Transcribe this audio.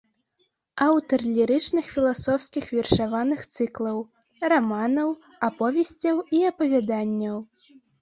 Аўтар лірычных філасофскіх вершаваных цыклаў, раманаў, аповесцяў і апавяданняў.